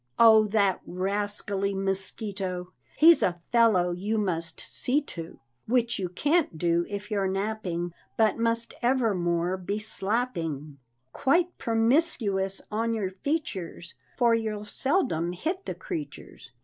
Oh, that rascally mosquito! He's a fellow you must see to; Which you can't do if you're napping, But must evermore be slapping Quite promiscuous on your features; For you'll seldom hit the creatures.